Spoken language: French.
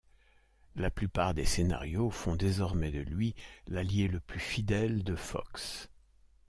La plupart des scénarios font désormais de lui l'allié le plus fidèle de Fox.